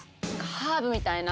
ハーブみたいな。